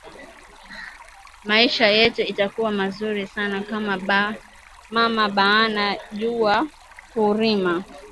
Maisha yetu itakuya muzuri sana kama ba mama bana jua ku rima